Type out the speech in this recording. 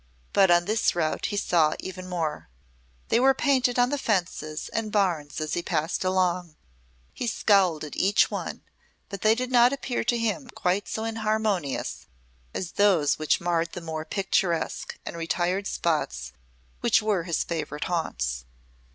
But on this route he saw even more. They were painted on the fences and barns as he passed along. He scowled at each one, but they did not appear to him quite so inharmonious as those which marred the more picturesque and retired spots which were his favorite haunts.